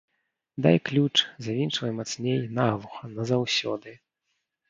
Дай ключ, завінчвай мацней, наглуха, назаўсёды.